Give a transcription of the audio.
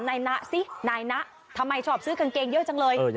นายนะสินายนะทำไมชอบซื้อกางเกงเยอะจังเลย